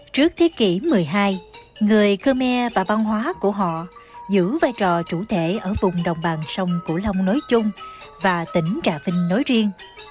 trước thế kỷ một mươi hai người khmer và văn hóa của họ giữ vai trò chủ thể ở vùng đồng bằng sông cửu long nói chung và tỉnh trà vinh nói riêng